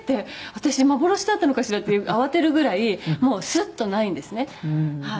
私幻だったのかしらって慌てるぐらいもうスッとないんですね」